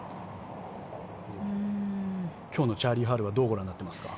今日のチャーリー・ハルはどうご覧になっていますか。